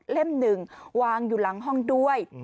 หนึ่งวางอยู่หลังห้องด้วย